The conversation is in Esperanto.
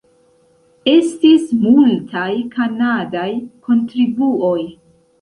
Estis multaj kanadaj kontribuoj.